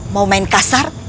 mau main kasar